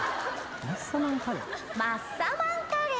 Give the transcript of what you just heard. マッサマンカレー。